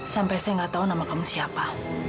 sampai saya nggak tahu nama kamu siapa